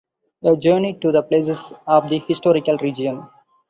A journey to the places of the historical region.